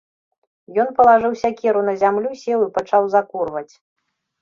Ён палажыў сякеру на зямлю, сеў і пачаў закурваць.